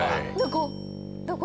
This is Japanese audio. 「どこ？